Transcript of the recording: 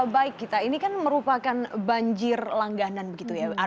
baik gita ini kan merupakan banjir langganan begitu ya